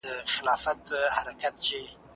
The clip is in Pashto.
د بهرنیو چارو وزارت مالي مرسته نه کموي.